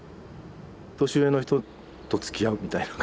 年上の人とつきあうみたいな感じで。